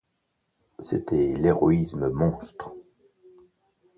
C’était l’héroïsme monstre.